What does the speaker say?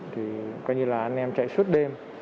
thì coi như là anh em chạy suốt đêm